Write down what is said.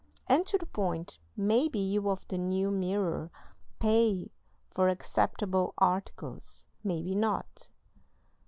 "And to the point. Maybe you of the New Mirror PAY for acceptable articles, maybe not.